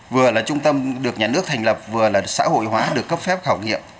vừa là trung tâm được nhà nước thành lập vừa là xã hội hóa được cấp phép khảo nghiệm